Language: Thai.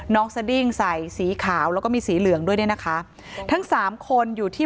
สดิ้งใส่สีขาวแล้วก็มีสีเหลืองด้วยเนี่ยนะคะทั้งสามคนอยู่ที่